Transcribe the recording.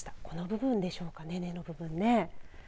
この部分でしょうね根の部分ね。